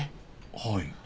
はい。